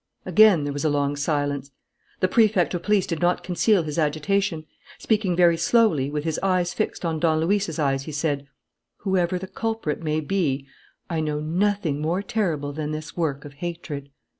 Again there was a long silence. The Prefect of Police did not conceal his agitation. Speaking very slowly, with his eyes fixed on Don Luis's eyes, he said: "Whoever the culprit may be, I know nothing more terrible than this work of hatred."